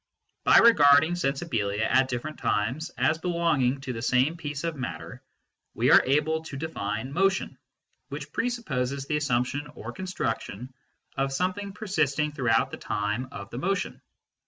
By regarding " sensibilia " at different times as belonging to the same piece of matter, we are able to define motion, which presupposes the assumption 173 MYSTICISM AND LOGIC or construction of something persisting throughout the time of the motion.